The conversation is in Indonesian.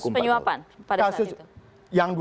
kasus penyuapan pada saat itu